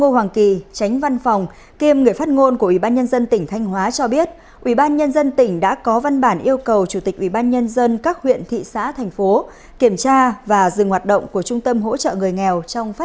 hãy đăng ký kênh để ủng hộ kênh của chúng mình nhé